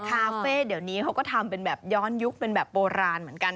คาเฟ่เดี๋ยวนี้เขาก็ทำเป็นแบบย้อนยุคเป็นแบบโบราณเหมือนกัน